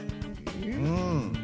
うん。